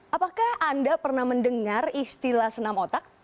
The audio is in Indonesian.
apakah anda pernah mendengar istilah senam otak